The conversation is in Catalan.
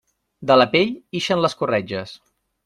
De la pell, ixen les corretges.